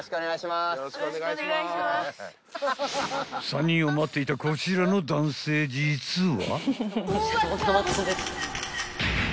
［３人を待っていたこちらの男性実は］